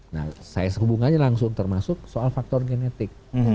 nah hubungannya langsung termasuk soal faktor genetik